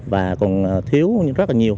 và còn thiếu rất là nhiều